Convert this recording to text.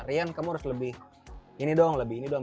rian kamu harus lebih ini doang lebih ini doang